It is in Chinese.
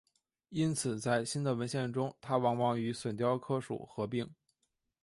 因此在新的文献中它往往与隼雕属合并。